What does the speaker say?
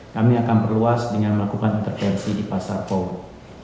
kami akan perluas dengan melakukan intervensi di pasar power